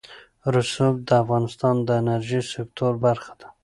رسوب د افغانستان د انرژۍ سکتور برخه ده.